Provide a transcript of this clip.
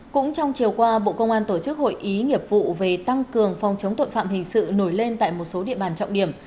cũng trong chiều qua bộ công an tổ chức hội ý nghiệp vụ về tăng cường phòng chống tội phạm hình sự nổi lên tại một số địa bàn trọng điểm